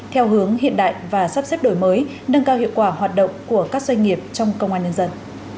theo hướng hiện đại và sắp xếp đổi mới nâng cao hiệu quả hoạt động của các doanh nghiệp trong công an nhân dân